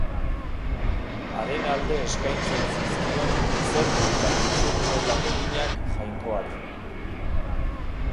Haren alde eskaintzen zizkion izerdi eta giltzurrunetako minak Jainkoari.